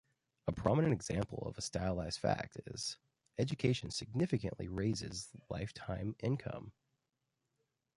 A prominent example of a stylized fact is: Education significantly raises lifetime income.